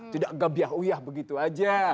tidak gabiah uyah begitu aja